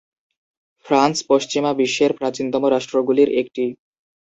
France পশ্চিমা বিশ্বের প্রাচীনতম রাষ্ট্রগুলির একটি।